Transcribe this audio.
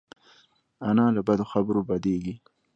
انا له بدو خبرو بدېږي